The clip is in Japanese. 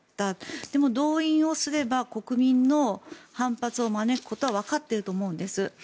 でも、動員すれば国民の反発を招くことはわかっていると思うんです。